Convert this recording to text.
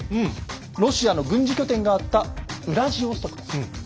ロシアの軍事拠点があったウラジオストクです。